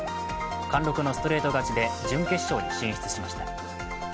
貫禄のストレート勝ちで準決勝に進出しました。